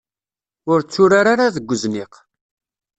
Ur tturar ara deg uzniq.